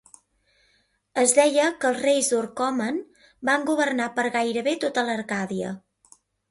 Es deia que els reis d'Orcomen van governar per gairebé tota l'Arcàdia.